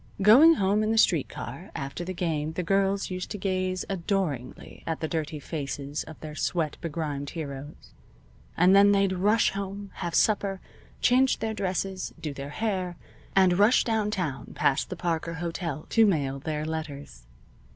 Going home in the street car after the game the girls used to gaze adoringly at the dirty faces of their sweat begrimed heroes, and then they'd rush home, have supper, change their dresses, do their hair, and rush downtown past the Parker Hotel to mail their letters.